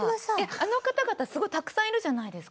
あの方々すごいたくさんいるじゃないですか。